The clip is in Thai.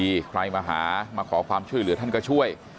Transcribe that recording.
พระสมจิตเป็นคนดีใครมาหามาขอความชื่อเหลือท่านก็ช่วย